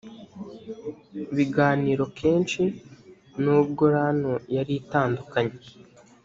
biganiro kenshi nubwo ranu yari itandukaye